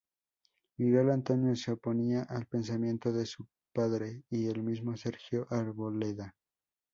Miguel Antonio se oponía al pensamiento de su padre y el mismo Sergio Arboleda.